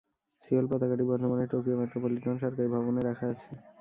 Seoul পতাকাটি বর্তমানে Tokyo metropolitan সরকারি ভবন-এ রাখা আছে।